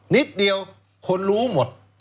นิดเดียวคนรู้หมด